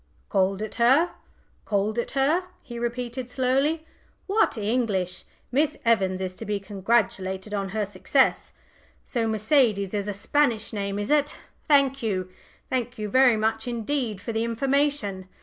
"Called it her? called it her?" he repeated slowly. "What English! Miss Evans is to be congratulated on her success! So Mercedes is a Spanish name, is it? Thank you thank you very much indeed for the information.